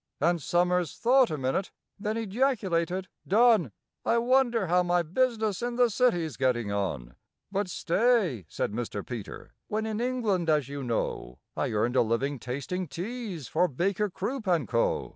And SOMERS thought a minute, then ejaculated, "Done! I wonder how my business in the City's getting on?" "But stay," said Mr. PETER: "when in England, as you know, I earned a living tasting teas for BAKER, CROOP, AND CO.